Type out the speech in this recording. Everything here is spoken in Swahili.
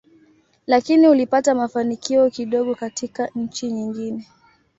Lakini ulipata mafanikio kidogo katika nchi nyingine.